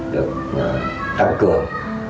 được tăng cường